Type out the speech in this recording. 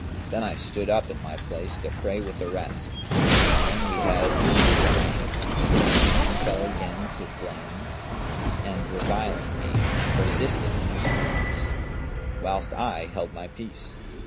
Then I stood up in my place to pray with the rest; and when we had ended praying, the same man fell again to blaming me and reviling me and persisted in his rudeness, whilst I held my peace.